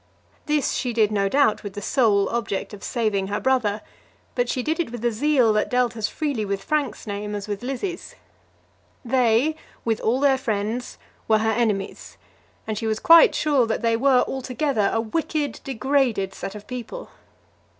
This she did, no doubt, with the sole object of saving her brother; but she did it with a zeal that dealt as freely with Frank's name as with Lizzie's. They, with all their friends, were her enemies, and she was quite sure that they were, altogether, a wicked, degraded set of people.